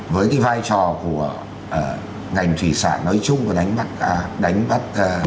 với cái vai trò của ngành thủy sản nói chung và đánh bắt